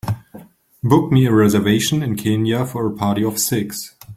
Book me a reservation in Kenya for a party of six